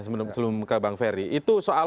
sebelum ke bang ferry itu soal